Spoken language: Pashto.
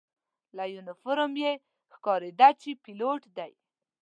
له یونیفورم یې ښکارېده چې پیلوټ دی.